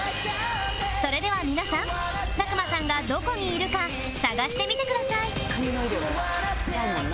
それでは皆さん佐久間さんがどこにいるか探してみてください髪の色もちゃうもんな。